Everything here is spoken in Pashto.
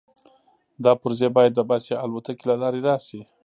دا پرزې باید د بس یا الوتکې له لارې راشي